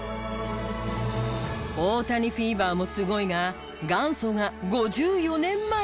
大谷フィーバーもすごいが元祖が５４年前にいた。